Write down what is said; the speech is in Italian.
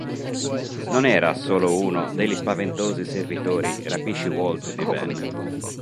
Non era solo uno degli spaventosi servitori rapisci-Walt di Ben.